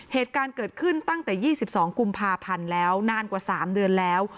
เหตุการณ์เกิดขึ้นตั้งแต่๒๒กุมภาพันธ์แล้วนานกว่า๓เดือนแล้ว